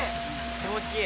気持ちいい。